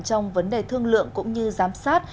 trong vấn đề thương lượng cũng như giám sát